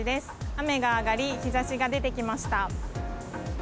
雨が上がり、日ざしが出てきました。